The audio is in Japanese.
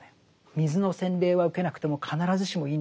水の洗礼は受けなくても必ずしもいいんだと。